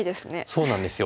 そうなんですよ。